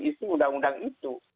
isu undang undang itu